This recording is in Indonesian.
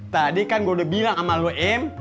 tadi kan gue udah bilang sama lu im